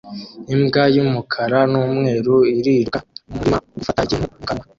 Imbwa y'umukara n'umweru iriruka mu murima gufata ikintu mu kanwa